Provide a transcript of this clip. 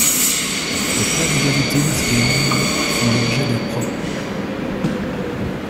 Les cas d'égalité des triangles font l'objet des prop.